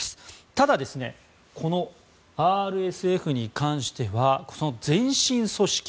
ただ、このＲＳＦに関してはその前身組織。